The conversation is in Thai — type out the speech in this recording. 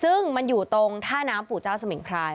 ซึ่งมันอยู่ตรงท่าน้ำปู่เจ้าสมิงพราย